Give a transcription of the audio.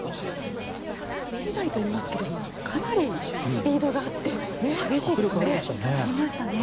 滑り台といいますけれどもかなりスピードがあって激しいですね。